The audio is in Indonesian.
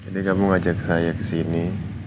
jadi kamu ngajak saya kesini